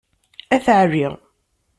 At ɛli.